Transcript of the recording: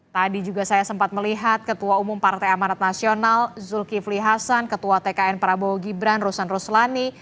tadi juga saya sempat melihat ketua umum partai amanat nasional zulkifli hasan ketua tkn prabowo gibran rusan ruslani